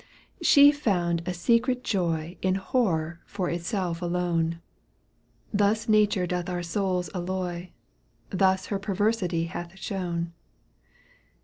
She found a secret joy In horror for itself alone, Thus Nature doth our souls alloy, Thus her perversity hath shown.